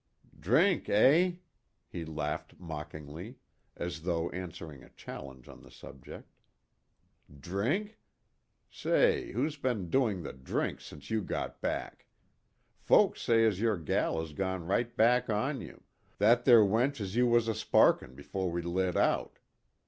"Drink, eh?" he laughed mockingly, as though answering a challenge on the subject. "Drink? Say, who's been doing the drink since you got back? Folks says as your gal has gone right back on you, that ther' wench as you was a sparkin' 'fore we lit out.